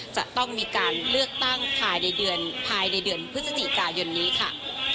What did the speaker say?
จะต้องมีการเลือกตั้งภายในเดือนพฤศจิกายนนี้ค่ะ